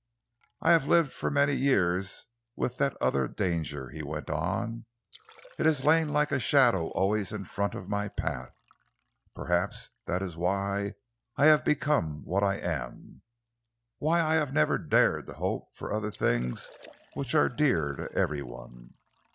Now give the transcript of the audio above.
"I have lived for many years with that other danger," he went on. "It has lain like a shadow always in front of my path. Perhaps that is why I have become what I am, why I have never dared to hope for the other things which are dear to every one."